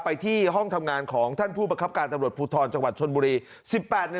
ไปที่ห้องทำงานของท่านผู้ประคับการตำรวจภูทรจังหวัดชนบุรี๑๘นาที